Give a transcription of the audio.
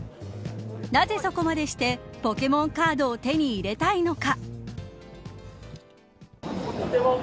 なぜそこまでしてポケモンカードを手に入れたいのか。